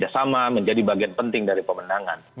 sama menjadi bagian penting dari pemenangan